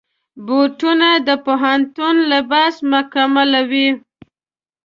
بوټونه د پوهنتون لباس مکملوي.